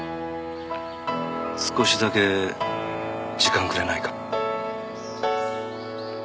少しだけ時間くれないか？